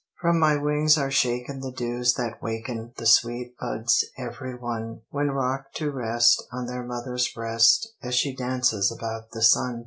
From my wings are shaken the dews that waken The sweet buds every one, When rocked to rest on their mother's breast As she dances about the sun.